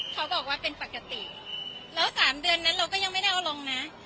เขาบอกว่าเป็นปกติแล้ว๓เดือนนั้นเราก็ยังไม่ได้เอาลงนะ